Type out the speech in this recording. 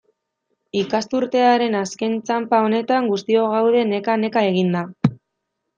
Ikasturtearen azken txanpa honetan, guztiok gaude neka-neka eginda.